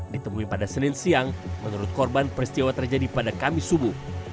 ditemui pada senin siang menurut korban peristiwa terjadi pada kamis subuh